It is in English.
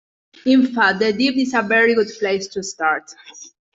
In fact, the Deep is a very good place to start.